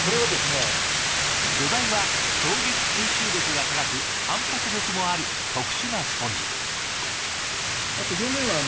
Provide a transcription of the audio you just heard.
土台は衝撃吸収力が高く反発力もある特殊なスポンジ。